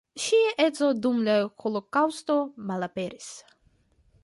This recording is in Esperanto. Ŝia edzo dum la holokaŭsto malaperis.